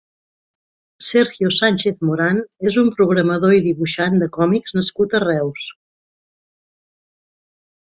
Sergio Sánchez Morán és un programador i dibuixant de còmics nascut a Reus.